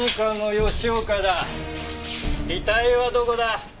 遺体はどこだ？